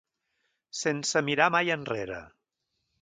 Sense mirar mai enrere.